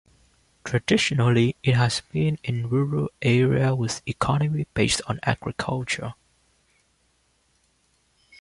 Traditionally, it has been a rural area with economy based on agriculture.